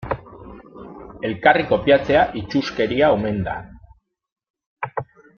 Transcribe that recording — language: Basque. Elkarri kopiatzea itsuskeria omen da.